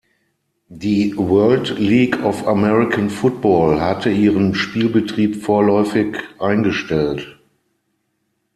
Die World League of American Football hatte ihren Spielbetrieb vorläufig eingestellt.